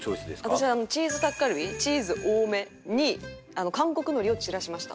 私はチーズタッカルビチーズ多めに韓国のりを散らしました。